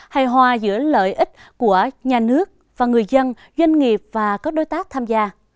hay hòa giữa lợi ích của nhà nước và người dân doanh nghiệp và các đối tác tham gia